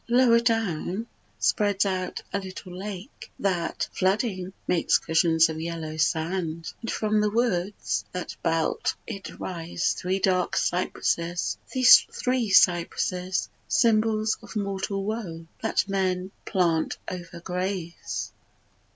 Lower down Spreads out a little lake, that, flooding, makes Cushions of yellow sand; and from the woods That belt it rise three dark tall cypresses; Three cypresses, symbols of mortal woe, That men plant over graves.